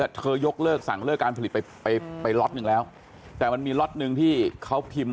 เธอยืนในภาพมีคุณภาพ